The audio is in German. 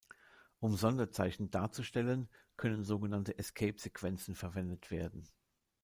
Um Sonderzeichen darzustellen, können sogenannte Escape-Sequenzen verwendet werden.